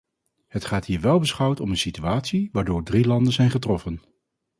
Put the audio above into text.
Het gaat hier welbeschouwd om een situatie waardoor drie landen zijn getroffen.